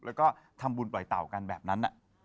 แล้วก็ทำบุญปล่อยเต่ากันแบบนั้น